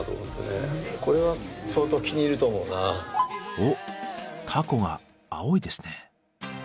おっタコが青いですね。